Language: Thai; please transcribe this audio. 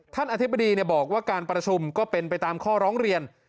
อธิบดีบอกว่าการประชุมก็เป็นไปตามข้อร้องเรียน